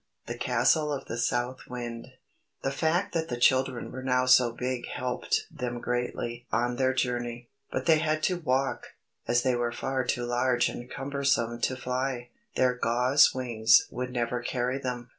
THE CASTLE OF THE SOUTH WIND The fact that the children were now so big helped them greatly on their journey; but they had to walk, as they were far too large and cumbersome to fly, their gauze wings would never carry them.